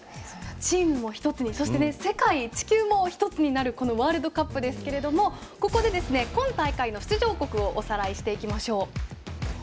チームも１つにそして世界、地球も１つになるこのワールドカップですけれどもここで今大会の出場国をおさらいしておきましょう。